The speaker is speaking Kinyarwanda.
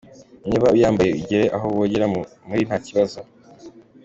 Niba uyambaye ugiye aho bogera muri ntakibazo.